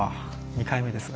２回目ですが。